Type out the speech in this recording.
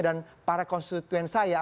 dan para konstituen saya